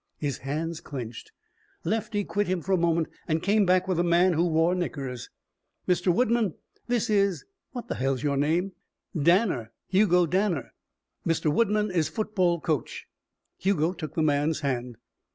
His hands clenched. Lefty quit him for a moment and came back with a man who wore knickers. "Mr. Woodman, this is what the hell's your name?" "Danner. Hugo Danner." "Mr. Woodman is football coach." Hugo took the man's hand.